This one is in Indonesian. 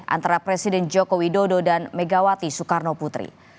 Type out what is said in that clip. antara presiden joko widodo dan megawati soekarno putri